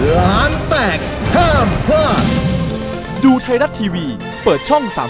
ร้านแตกห้ามพลาด